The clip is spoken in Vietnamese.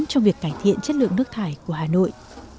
trong việc cải thiện chất lượng nước thải của hà nội